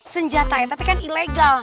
senjata itu kan ilegal